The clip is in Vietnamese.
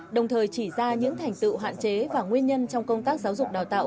đồng thời chỉ ra những thành tựu hạn chế và nguyên nhân trong công tác giáo dục đào tạo